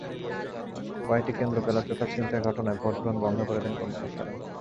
কয়েকটি কেন্দ্র ballot paper ছিনতাইয়ের ঘটনায় ভোট গ্রহণ বন্ধ করে দেন কর্মকর্তারা।